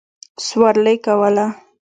سورلي کوله.